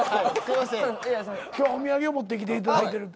今日お土産を持ってきていただいてる。